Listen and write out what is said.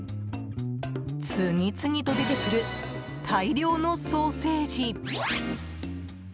次々と出てくる大量のソーセージ。